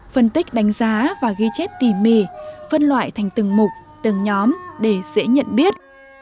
phân tích đánh giá và ghi chép tỉ mỉ phân loại thành từng mục từng nhóm để dễ nhận biết